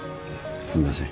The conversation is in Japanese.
すみません。